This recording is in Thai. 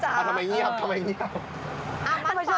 ต้องยอมนางนะจ๊ะ